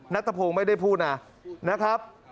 นักตะโพงไม่ได้พูดนะนะครับ